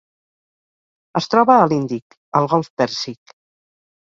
Es troba a l'Índic: el golf Pèrsic.